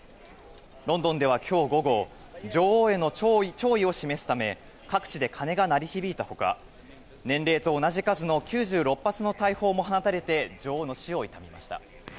ロンドンでは今日午後女王への弔意を示すため各地で鐘が鳴り響いた他年齢と同じ数の９６発の大砲も放たれて女王の死を悼みました。